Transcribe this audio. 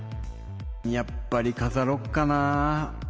やっぱりかざろっかなぁ。